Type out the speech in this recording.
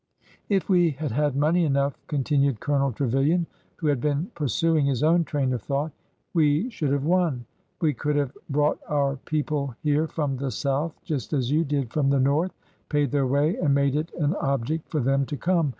If we had had money enough," continued Colonel Trevilian, who had been pursuing his own train of BORDER HISTORY 109 thought, we should have won. We could have brought our people here from the South just as you did from the North,— paid their way and made it an object for them to come.